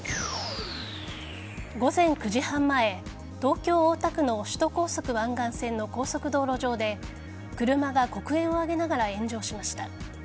午前９時半前東京・大田区の首都高速湾岸線の高速道路上で車が黒煙を上げながら炎上しました。